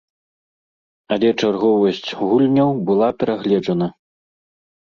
Але чарговасць гульняў была перагледжана.